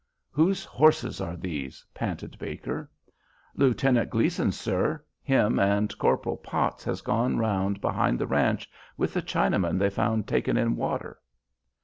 "Whose horses are these?" panted Baker. "Lieutenant Gleason's, sir. Him and Corporal Potts has gone round behind the ranch with a Chinaman they found takin' in water."